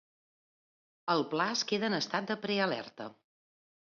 El pla es queda en estat de prealerta.